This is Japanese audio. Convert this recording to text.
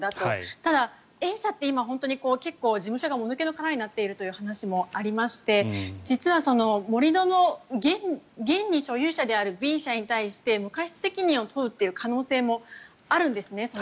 ただ、Ａ社って今、結構、事務所がもぬけの殻になっているという話もありまして実は盛り土の現に所有者であるＢ社に対して瑕疵責任を問う可能性もあるんですね。